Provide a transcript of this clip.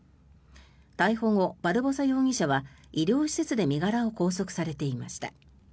逮捕後、バルボサ容疑者は医療施設で身柄を拘束されていました。